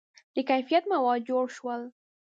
• د کیفیت مواد جوړ شول.